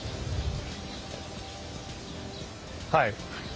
はい。